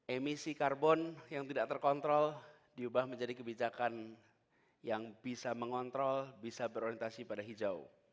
emisi karbon yang tidak terkontrol diubah menjadi kebijakan yang bisa mengontrol bisa berorientasi pada hijau